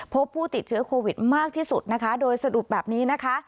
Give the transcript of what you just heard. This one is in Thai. พบผู้ติดเชื้อโควิดมากที่สุดนะคะโดยสรุปแบบนี้นะคะ